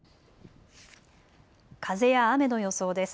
風や雨の予想です。